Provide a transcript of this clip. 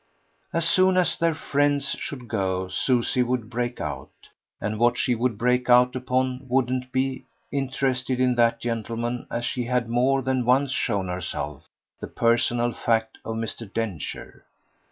As soon as their friends should go Susie would break out, and what she would break out upon wouldn't be interested in that gentleman as she had more than once shown herself the personal fact of Mr. Densher.